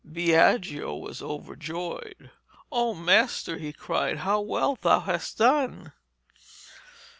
Biagio was overjoyed. 'Oh, master,' he cried, 'how well thou hast done.'